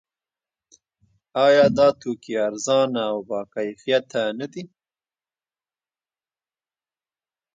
آیا دا توکي ارزانه او باکیفیته نه دي؟